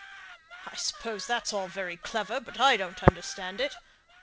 "I suppose all that's very clever; but I don't understand it.